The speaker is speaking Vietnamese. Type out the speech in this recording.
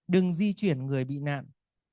đừng di chuyển người bị nạn